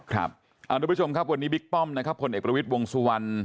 ครับเอาล่ะทุกผู้ชมครับวันนี้บิ๊กป้อมนะครับผลเอกประวิษฐ์วงสุวรรณ